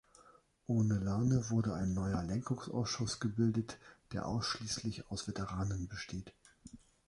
Ohne Lane wurde ein neuer Lenkungsausschuss gebildet, der ausschließlich aus Veteranen besteht.